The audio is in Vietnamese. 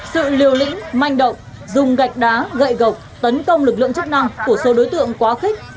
sự liều lĩnh manh động dùng gạch đá gậy gộc tấn công lực lượng chức năng của số đối tượng quá khích